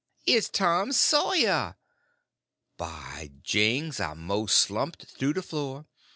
"It's Tom Sawyer!" By jings, I most slumped through the floor!